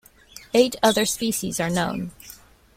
Eight other species are known.